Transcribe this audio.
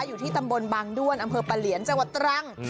อยู่ที่ตำบลบางด้วนอำเภอปะเหลียนจังหวัดตรัง